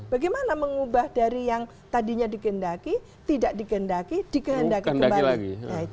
bagaimana mengubah dari yang tadinya digendaki tidak digendaki dikehendaki kembali